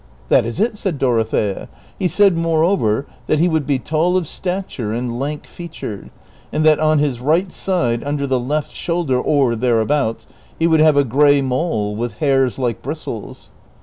''That is it," said Dorothea; "he said, moreover, that he would be tall of stature and lank featured ; and that on his right side under the left shoulder, or thereabouts, he would have a gray mole with hairs like bristles."